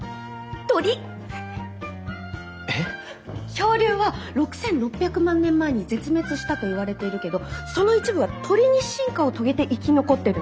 恐竜は６，６００万年前に絶滅したといわれているけどその一部は鳥に進化を遂げて生き残ってるの。